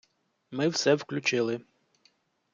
ми все включили.